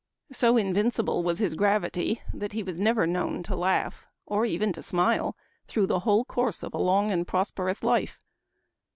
So invincible was ' his gravity that he was never known to laugh, or even to smile, through the whole course of a long and prosperous life.